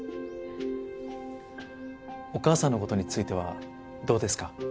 お母さんの事についてはどうですか？